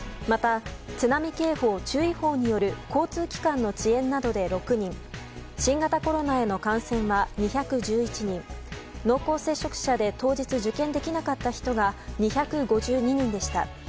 また、津波警報・注意報による交通機関の遅延などで６人新型コロナへの感染は２１１人濃厚接触者で当日受験できなかった人が２５２人でした。